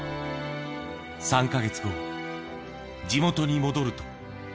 ３か月後、地元に戻ると。